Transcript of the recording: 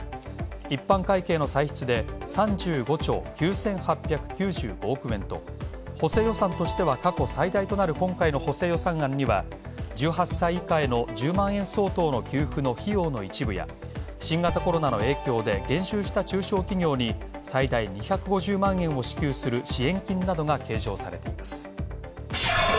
一般会計の歳出で３５兆９８９５億円と補正予算としては過去最大となる今回の補正予算案には「１８歳以下への１０万円相当の給付」の費用の一部や新型コロナの影響で減収した中小企業に最大２５０万円を支給する支援金などが計上されています。